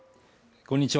こんにちは